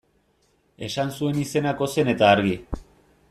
Esan zuen izenak ozen eta argi.